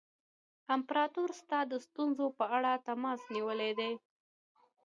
امپراطور ستا د ستونزو په اړه تماس نیولی دی.